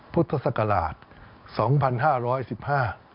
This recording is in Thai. พุทธศักราช